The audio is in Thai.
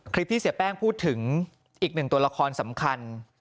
ที่เสียแป้งพูดถึงอีกหนึ่งตัวละครสำคัญ